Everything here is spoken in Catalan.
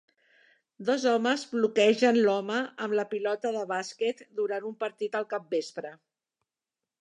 Dos homes bloquegen l'home amb la pilota de bàsquet durant un partit al capvespre.